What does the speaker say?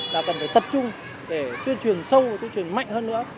là cần phải tập trung để tuyên truyền sâu và tuyên truyền mạnh hơn nữa